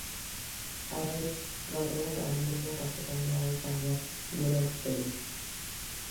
Hala ere, gaur egun ahaleginak askoz handiagoa izan behar duela uste du.